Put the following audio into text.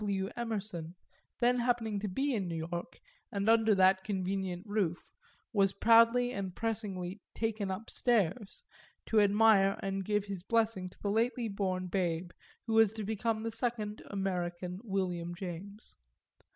W. Emerson, then happening to be in New York and under that convenient roof, was proudly and pressingly "taken upstairs" to admire and give his blessing to the lately born babe who was to become the second American William James.